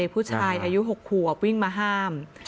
ผู้ชายอายุ๖ขวบวิ่งมาห้าม